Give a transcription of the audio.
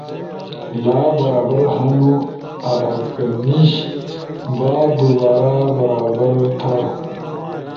لا برابر ہنُو؟ آکہ نیِش با دُوبارا برابر تھا۔